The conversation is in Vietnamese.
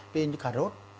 cái như cà rốt